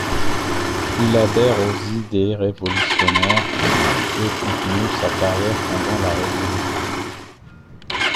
Il adhère aux idées révolutionnaires et continue sa carrière pendant la Révolution.